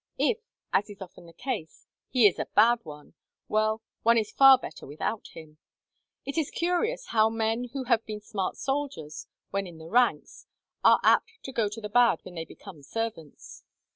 If, as is often the case, he is a bad one, well, one is far better without him. It is curious how men who have been smart soldiers, when in the ranks, are apt to go to the bad when they become servants.